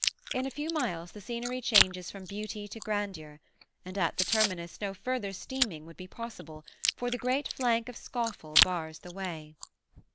In a few miles the scenery changes from beauty to grandeur, and at the terminus no further steaming would be possible, for the great flank of Scawfell bars the way.